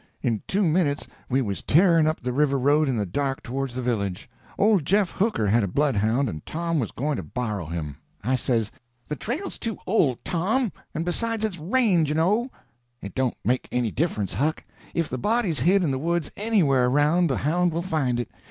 In two minutes we was tearing up the river road in the dark towards the village. Old Jeff Hooker had a bloodhound, and Tom was going to borrow him. I says: "The trail's too old, Tom—and besides, it's rained, you know." "It don't make any difference, Huck. If the body's hid in the woods anywhere around the hound will find it.